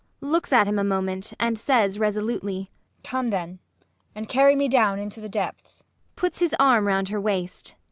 [Looks at him a moment, and says resolutely.] Come then, and carry me down into the depths. ULFHEIM. [Puts his arm round her waist.